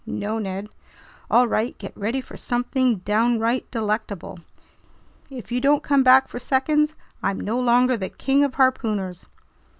"No, Ned." "All right, get ready for something downright delectable! If you don't come back for seconds, I'm no longer the King of Harpooners!"